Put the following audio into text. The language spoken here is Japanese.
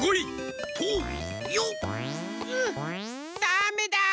ダメだ！